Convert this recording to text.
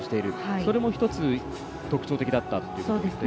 それも１つ、特徴的だったなと言っていますね。